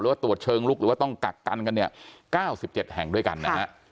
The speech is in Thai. หรือว่าตรวจเชิงลุกหรือว่าต้องกักกันก็๙๗แห่งด้วยกัน